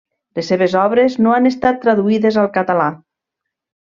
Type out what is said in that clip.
Les seves obres no han estat traduïdes al català.